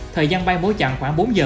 thời gian bay bối chặn khoảng bốn mươi giờ